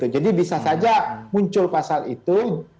jadi bisa saja muncul pasal itu